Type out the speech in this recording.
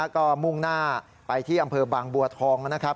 ก็มุ่งหน้าไปที่อำเภอบางบัวทองนะครับ